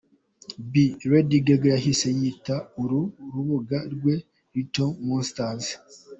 be, Lady Gaga yahise yita uru rubuga rwe, Littlemonsters.